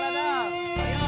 ledang ledang ledang ledang